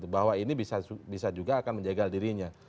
bahwa ini bisa juga akan menjegal dirinya